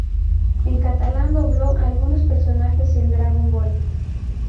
En catalán dobló a algunos personajes en Dragon Ball.